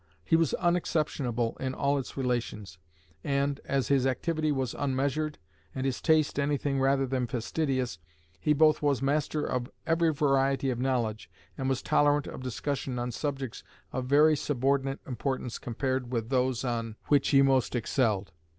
He was unexceptionable in all its relations; and as his activity was unmeasured, and his taste anything rather than fastidious, he both was master of every variety of knowledge, and was tolerant of discussion on subjects of very subordinate importance compared with those on which he most excelled.